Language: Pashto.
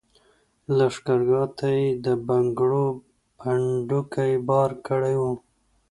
لښګرګاه ته یې د بنګړو پنډوکي بار کړي وو.